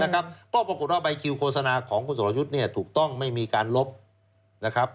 ก็ปรากฏว่าใบคิวโฆษณาของคุณสรยุทธ์ถูกต้องไม่มีการลบนะครับ